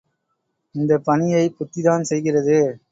இந்தப் பணியை புத்திதான் செய்கிறது.